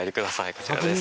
こちらです